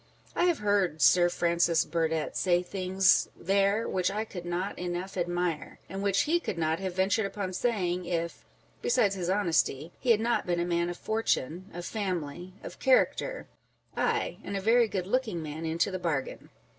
I have heard Sir Francis Burdctt say things there which I could not enough admire ; and which he could not have ventured upon saying, if, besides his honesty, he had not 3S2 On the Difference between been a man of fortune, of family, of character, â€" aye, and a very good looking man into the bargain